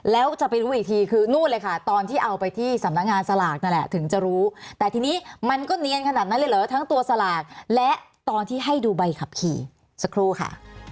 แล้วจะไปรู้อีกทีคือนู่นเลยค่ะตอนที่เอาไปที่สำนักงานสลากนั่นแหละถึงจะรู้แต่ทีนี้มันก็เนียนขนาดนั้นเลยเหรอทั้งตัวสลากและตอนที่ให้ดูใบขับขี่สักครู่ค่ะ